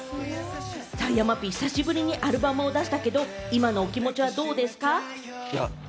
山Ｐ、久しぶりにアルバムを出したけれども、今のお気持ちはどうですか？